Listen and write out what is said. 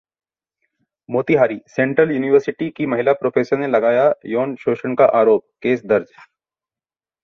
Motihari: central university की महिला professor ने लगाया यौन शोषण का आरोप, केस दर्ज